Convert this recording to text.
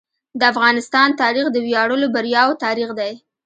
د افغانستان تاریخ د ویاړلو بریاوو تاریخ دی.